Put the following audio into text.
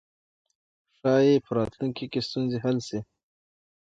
ښايي په راتلونکي کې ستونزې حل شي.